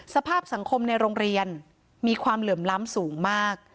สภาพสังคมในโรงเรียนมีความเหลื่อมล้ำสูงมาก